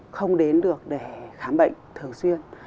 không đến được để khám bệnh thường xuyên